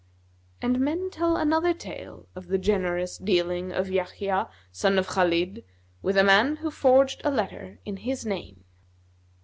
'" And men tell another tale of the GENEROUS DEALING OF YAHYA SON OF KHБLID WITH A MAN WHO FORGED A LETTER IN HIS NAME.